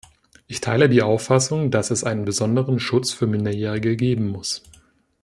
Ich teile die Auffassung, dass es einen besonderen Schutz für Minderjährige geben muss.